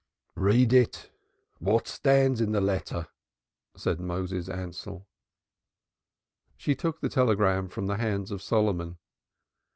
"Read it! What stands in the letter?" said Moses Ansell. She took the telegram from the hands of Solomon.